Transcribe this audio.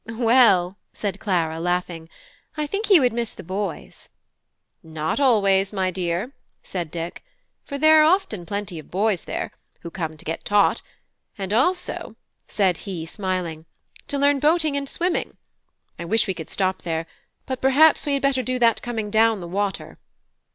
"Well," said Clara, laughing, "I think he would miss the boys." "Not always, my dear," said Dick, "for there are often plenty of boys there, who come to get taught; and also," said he, smiling, "to learn boating and swimming. I wish we could stop there: but perhaps we had better do that coming down the water."